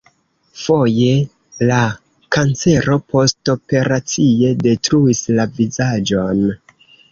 Foje la kancero postoperacie detruis la vizaĝon.